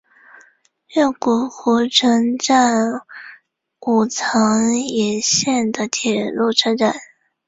越谷湖城站武藏野线的铁路车站。